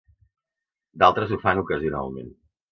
D'altres ho fan ocasionalment.